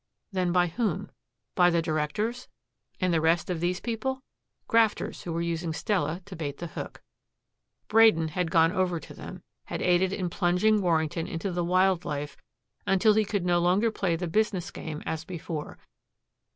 Then by whom? By the directors. And the rest of these people? Grafters who were using Stella to bait the hook. Braden had gone over to them, had aided in plunging Warrington into the wild life until he could no longer play the business game as before.